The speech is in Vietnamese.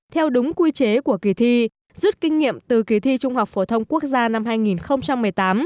theo đúng quy chế của kỳ thi rút kinh nghiệm từ kỳ thi trung học phổ thông quốc gia năm hai nghìn một mươi tám